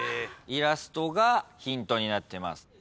イラストがヒントになってます。